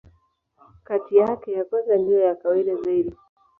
Kati yake, ya kwanza ndiyo ya kawaida zaidi.